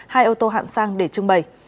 hai ô tô hạng sang để trưng bày